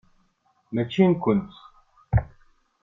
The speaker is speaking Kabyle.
Mačči nkent.